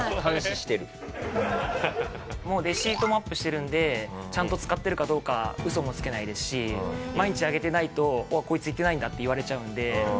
もうレシートもアップしてるのでちゃんと使ってるかどうかウソもつけないですし毎日上げてないと「こいつ行ってないんだ」って言われちゃうので。